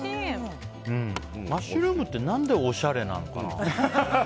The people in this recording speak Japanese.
マッシュルームって何で、おしゃれなのかな？